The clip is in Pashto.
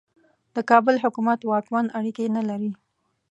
د کابل حکومت واکمن اړیکې نه لري.